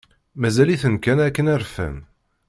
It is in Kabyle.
Mazal-iten kan akken rfan?